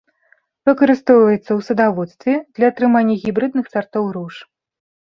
Выкарыстоўваецца ў садаводстве для атрымання гібрыдных сартоў руж.